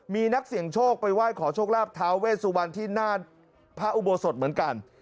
มีนักเสี่ยงโชคไปไหว้ขอโชคลาบท้าเวสุวรรณที่หน้าพระอุโบสถเหมือนกัน